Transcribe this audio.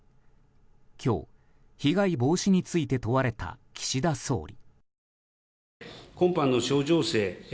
今日、被害防止について問われた岸田総理。